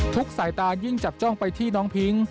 สายตายิ่งจับจ้องไปที่น้องพิ้ง